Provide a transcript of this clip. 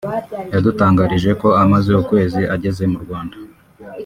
yadutangarije ko amaze ukwezi ageze mu Rwanda